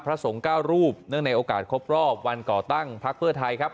พระสงฆ์๙รูปเนื่องในโอกาสครบรอบวันก่อตั้งพักเพื่อไทยครับ